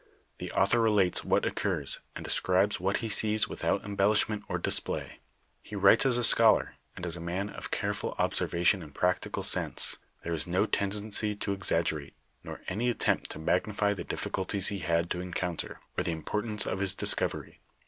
The author relates what oc curs, and describes what he sees without embellishment or display. He writes as a scholar, and as a man of careful ob servation and practical sense. There is no tendency to exag gerate, nor any attempt to magnify the di£Sculties he had ' o encounter, or the importance of his discovery.